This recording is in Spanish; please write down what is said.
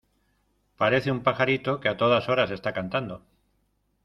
Parece un pajarito que a todas horas está cantando.